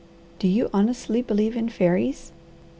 "Do you honestly believe in fairies?"